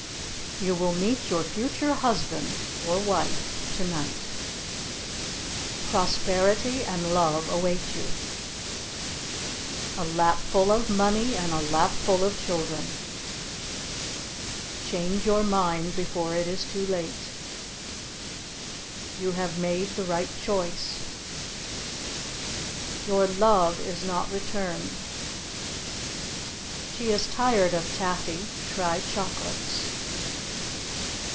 You will meet your future husband (or wife) to night. Prosperity and love await you. A lap full of money and a lap full of children. Change your mind before it is too late. You have made the right choice. Your love is not returned. She is tired of Taffy, try chocolates.